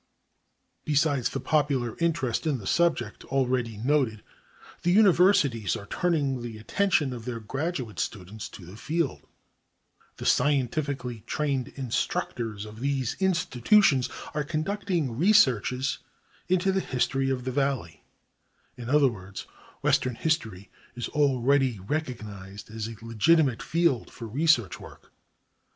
Besides the popular interest in the subject, already noted, the universities are turning the attention of their graduate students to the field; the scientifically trained instructors of these institutions are conducting researches into the history of the valley; in other words, western history is already recognized as a legitimate field for research work.